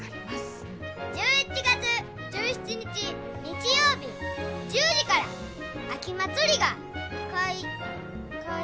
１１月１７日日曜日１０時から秋まつりがかいかい。